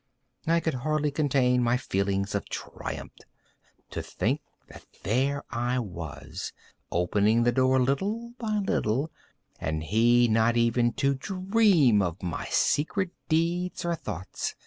I could scarcely contain my feelings of triumph. To think that there I was, opening the door, little by little, and he not even to dream of my secret deeds or thoughts.